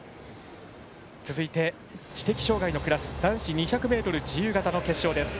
続いて、知的障がいのクラス男子２００ｍ自由形の決勝です。